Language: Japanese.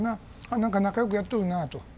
あっ何か仲よくやっとるなと。